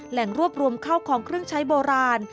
แหล่งรวบรวมเข้าของเครื่องใช้โบราณ